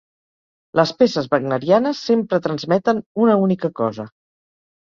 Les peces wagnerianes sempre transmeten una única cosa.